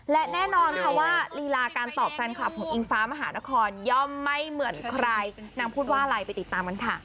และแน่นอนค่ะว่าลีลาการตอบแฟนคลับของอิงฟ้ามหานครย่อมไม่เหมือนใครนางพูดว่าอะไรไปติดตามกันค่ะ